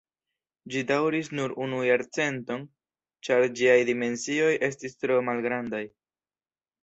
Ĝi daŭris nur unu jarcenton, ĉar ĝiaj dimensioj estis tro malgrandaj.